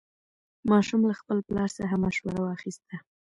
ماشوم له خپل پلار څخه مشوره واخیسته